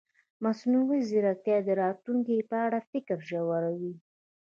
مصنوعي ځیرکتیا د راتلونکي په اړه فکر ژوروي.